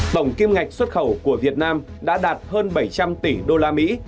bổng kim ngạch xuất khẩu của việt nam đã đạt hơn bảy trăm linh tỷ usd